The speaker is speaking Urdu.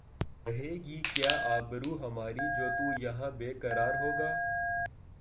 رہے گی کیا آبرو ہماری جو تو یہاں بے قرار ہوگا